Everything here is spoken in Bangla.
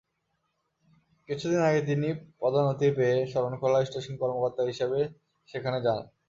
কিছু দিন আগে তিনি পদোন্নতি পেয়ে শরণখোলা স্টেশন কর্মকর্তা হিসেবে সেখানে যান।